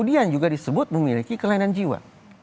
kemudian juga disebut memiliki kelainan jiwa